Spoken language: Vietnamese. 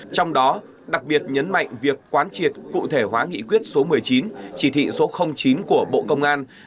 trong đó đặc biệt nhấn mạnh việc quán triệt cụ thể hóa nghị quyết số một mươi chín chỉ thị số chín của bộ công an